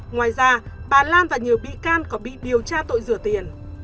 ngoài ra bà lan và nhiều bị can còn bị điều tra tội rửa tiền